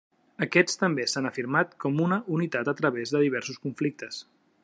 Aquests també s'han afirmat com una unitat a través de diversos conflictes.